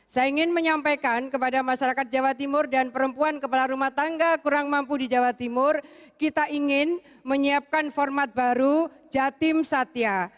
saya ingin menyampaikan kepada masyarakat jawa timur dan perempuan kepala rumah tangga kurang mampu di jawa timur kita ingin menyiapkan format baru jatim satya